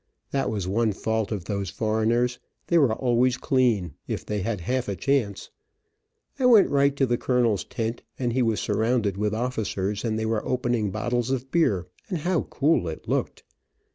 That was one fault of those foreigners, they were always clean, if they had half a chance. I went right to the colonel's tent, and he was surrounded with officers, and they were opening bottles of beer, and how cool it looked.